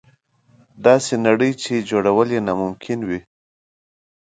داسې نړۍ چې جوړول یې ناممکن نه دي.